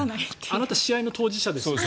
あなた試合の当事者ですよね。